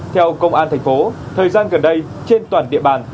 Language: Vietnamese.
theo công an thành phố thời gian gần đây trên toàn địa bàn